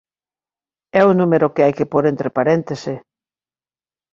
É o número que hai que pór entre paréntese.